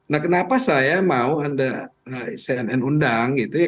nah kenapa saya mau anda cnn undang gitu ya